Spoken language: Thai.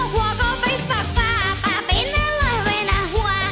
หัวหมอกหัวก็ไปฝากป่าป่าเป็นอะไรไว้หน้าหัว